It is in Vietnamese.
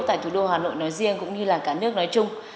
tại thủ đô hà nội nói riêng cũng như là cả nước nói chung